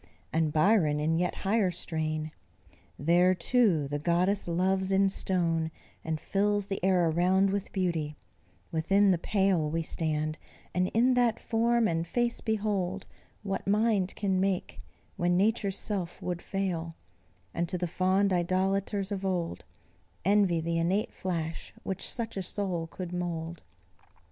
And Byron, in yet higher strain: "There, too, the goddess loves in stone, and fills The air around with beauty; within the pale We stand, and in that form and face behold What Mind can make, when Nature's self would fail; And to the fond idolaters of old Envy the innate flash which such a soul could mould.